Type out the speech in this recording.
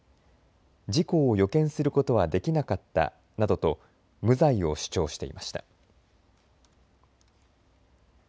事故を予見することはできなかったなどと無罪を主張していました。